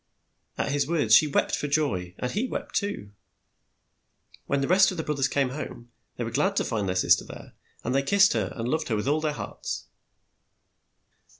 At his words she wept for joy, and he wept too. When the rest of the broth ers came home, they were glad to find their sis ter there, and they kissed her, and loved her with all their hearts.